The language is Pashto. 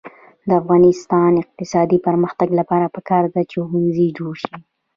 د افغانستان د اقتصادي پرمختګ لپاره پکار ده چې ښوونځي جوړ شي.